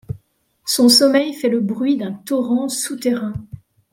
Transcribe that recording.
Son sommeil fait le bruit d’un torrent souterrain.